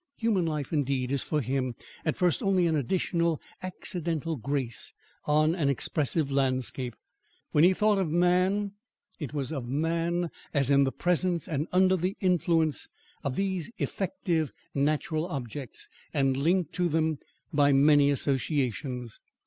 Human life, indeed, is for him, at first, only an additional, accidental grace on an expressive landscape. When he thought of man, it was of man as in the presence and under the influence of these effective natural objects, and linked to them by many associations.